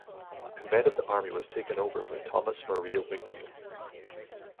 Command of the army was taken over by Thomas Maria Wingfield.